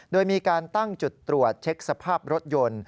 โดยมีการตั้งจุดตรวจเช็คสภาพรถยนต์